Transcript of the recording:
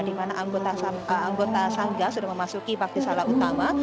dimana anggota sangga sudah memasuki bakti salah utama